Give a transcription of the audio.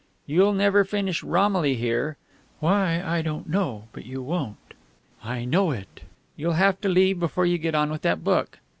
"You'll never finish Romilly here. Why, I don't know, but you won't. I know it. You'll have to leave before you get on with that book."